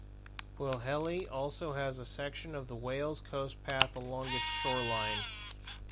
Pwllheli also has a section of the Wales Coast Path along its shoreline.